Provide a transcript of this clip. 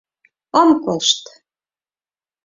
Ом колышт!